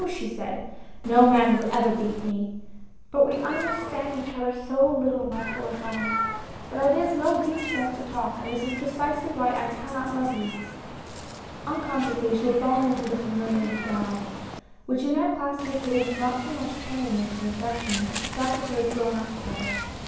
she said, "no man will ever beat me. But we understand each other so little, my poor Jean, that it is no use for us to talk, and this is precisely why I cannot love you." Unconsciously, she had fallen into the familiar thou, which in their class indicated not so much tenderness and affection, as the fact that they had grown up together.